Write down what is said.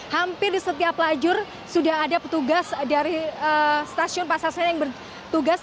hampir di setiap lajur sudah ada petugas dari stasiun pasar senen yang bertugas